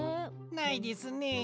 ないですねえ。